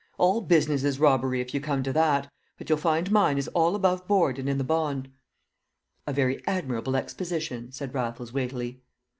All business is robbery, if you come to that. But you'll find mine is all above board and in the bond." "A very admirable exposition," said Raffles weightily.